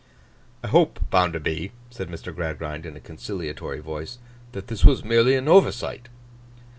'I hope, Bounderby,' said Mr. Gradgrind, in a conciliatory voice, 'that this was merely an oversight.